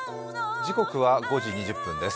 時刻は５時２０分です。